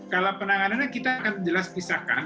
kalau penanganannya kita akan jelas pisahkan